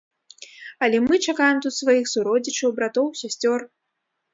Але мы чакаем тут сваіх суродзічаў, братоў, сясцёр.